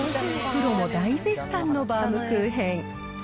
プロも大絶賛のバウムクーヘン。